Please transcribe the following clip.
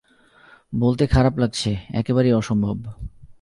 বলতে খারাপ লাগছে, একেবারেই অসম্ভব।